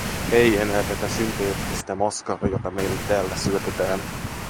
Ei enää tätä synteettistä moskaa, jota meille täällä syötetään.